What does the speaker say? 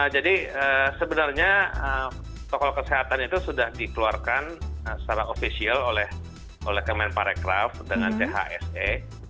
jadi sebenarnya protokol kesehatan itu sudah dikeluarkan secara official oleh kemenparekraf dengan chse